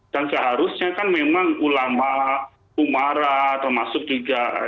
dan seharusnya kan memang ulama umara termasuk juga